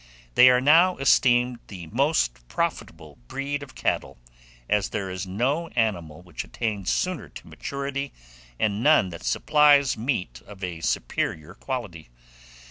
They are now esteemed the most profitable breed of cattle, as there is no animal which attains sooner to maturity, and none that supplies meat of a superior quality.